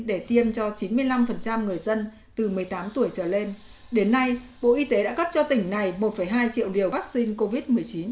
để tiêm cho chín mươi năm người dân từ một mươi tám tuổi trở lên đến nay bộ y tế đã cấp cho tỉnh này một hai triệu liều vaccine covid một mươi chín